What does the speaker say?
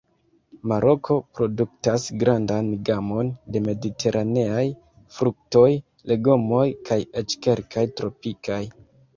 Maroko produktas grandan gamon de mediteraneaj fruktoj, legomoj kaj eĉ kelkaj tropikaj.